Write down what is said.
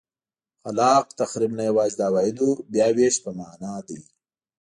خلاق تخریب نه یوازې د عوایدو بیا وېش په معنا ده.